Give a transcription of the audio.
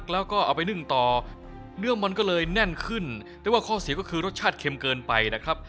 ล้าพวกคุณเนี่ยยังต้องนึงอีกใช่ป่ะอ่ะ